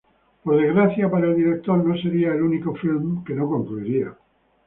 Por desgracia para el director, no sería el único film que no concluiría.